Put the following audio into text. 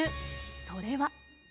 それは。